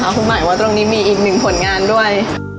คุณหมายว่าตรงนี้มีอีกหนึ่งผลงานด้วย